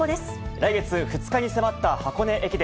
来月２日に迫った箱根駅伝。